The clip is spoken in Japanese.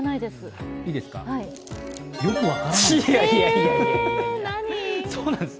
よく分からない、そうなんです。